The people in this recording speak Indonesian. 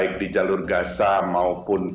atau di jalur gaza kita sudah mencari informasi